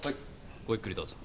ごゆっくりどうぞ。